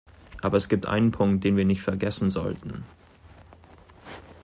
Aber es gibt einen Punkt, den wir nicht vergessen sollten.